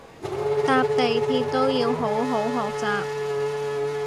搭地鐵都要好好學習